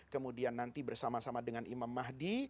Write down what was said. kemudian nanti bersama sama dengan imam mahdi